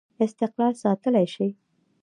استقلال ساتلای شي.